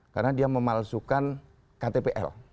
karena dia memalsukan ktpl